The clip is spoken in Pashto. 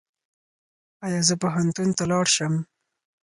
ایا زه پوهنتون ته لاړ شم؟